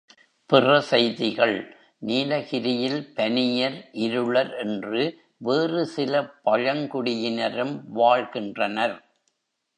பிற செய்திகள் நீலகிரியில் பனியர், இருளர் என்று வேறுசில பழங்குடியினரும் வாழ்கின்றனர்.